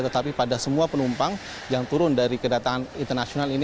tetapi pada semua penumpang yang turun dari kedatangan internasional ini